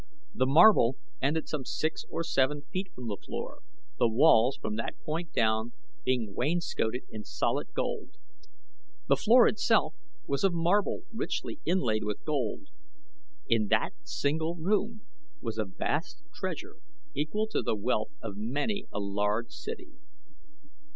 The marble ended some six or seven feet from the floor, the walls from that point down being wainscoted in solid gold. The floor itself was of marble richly inlaid with gold. In that single room was a vast treasure equal to the wealth of many a large city.